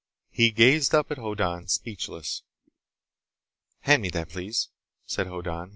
He gazed up at Hoddan, speechless. "Hand me that, please," said Hoddan.